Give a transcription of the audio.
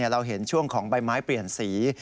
เราเห็นช่วงของใบไม้เปลี่ยนสี